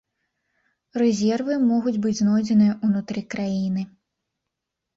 Рэзервы могуць быць знойдзеныя ўнутры краіны.